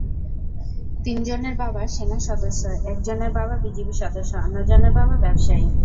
তিনজনের বাবা সেনা সদস্য, একজনের বাবা বিজিবি সদস্য, অন্যজনের বাবা ব্যবসায়ী।